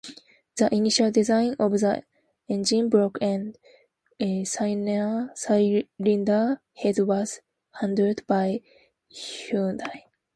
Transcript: The initial design of the engine block and cylinder head was handled by Hyundai.